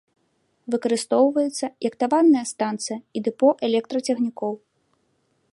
Выкарыстоўваецца як таварная станцыя і дэпо электрацягнікоў.